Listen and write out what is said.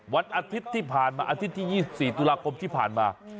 วันอาทิตย์ที่๒๔ตุลาคมที่ผ่านมา